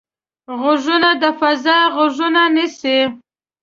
غوږونه د فضا غږونه نیسي